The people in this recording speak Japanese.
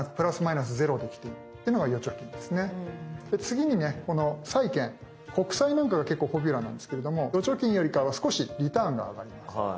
で次にねこの債券国債なんかが結構ポピュラーなんですけれども預貯金よりかは少しリターンが上がります。